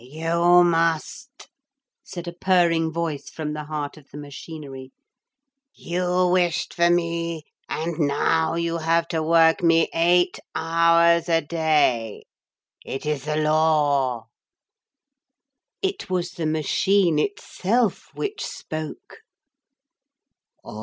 'You must,' said a purring voice from the heart of the machinery. 'You wished for me, and now you have to work me eight hours a day. It is the law'; it was the machine itself which spoke.